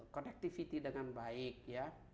connectivity dengan baik ya